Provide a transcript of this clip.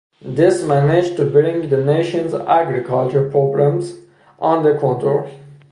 This managed to bring the nation's agriculture problems under control.